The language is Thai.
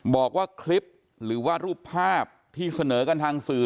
บอกว่าคลิปหรือว่ารูปภาพที่เสนอกันทางสื่อ